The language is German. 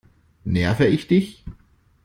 Nerve ich dich?